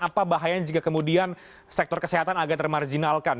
apa bahaya jika kemudian sektor kesehatan agak termarginalkan